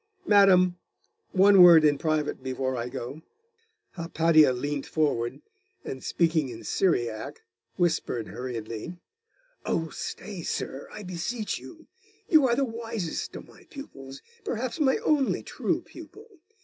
Madam, one word in private before I go.' Hypatia leant forward, and speaking in Syriac, whispered hurriedly 'Oh, stay, sir, I beseech you: You are the wisest of my pupils perhaps my only true pupil....